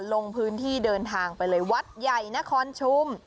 ลงพื้นที่เดินทางไปเลยวัดใหญ่นครชุม